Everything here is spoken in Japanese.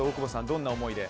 どんな思いで？